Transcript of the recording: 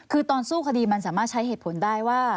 คือตอนสู้คดีมันสามารถใช้เหตุผลได้ว่า